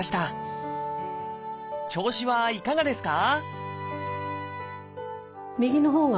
調子はいかがですか？